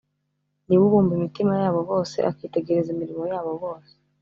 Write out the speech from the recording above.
Ni we ubumba imitima yabo bose, akitegereza imirimo yabo yose